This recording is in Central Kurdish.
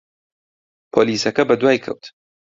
پۆلیسەکە بەدوای کەوت.